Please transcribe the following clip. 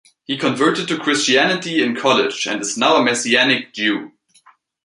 He converted to Christianity in college and is now a Messianic Jew.